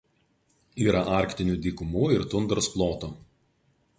Yra arktinių dykumų ir tundros plotų.